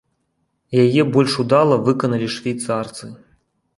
Яе больш удала выканалі швейцарцы.